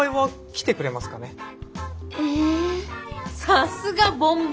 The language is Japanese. さすがボンボン。